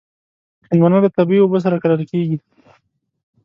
هندوانه له طبعي اوبو سره کرل کېږي.